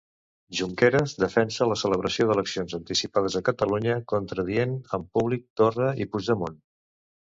Junqueras defensa la celebració d'eleccions anticipades a Catalunya, contradient en públic Torra i Puigdemont.